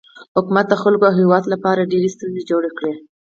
حکومت د خلکو او هیواد لپاره ډیرې ستونزې جوړې کړي.